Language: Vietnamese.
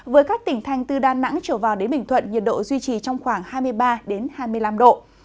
với các tỉnh thành từ đà nẵng trở vào đến bình thuận nhiệt độ duy trì trong khoảng hai mươi ba hai mươi năm độ